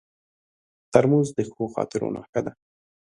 ترموز د ښو خاطرو نښه ده.